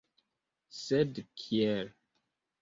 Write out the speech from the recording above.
Sed kiel?